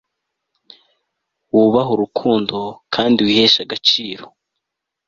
wubahe, urukundo, kandi wiheshe agaciro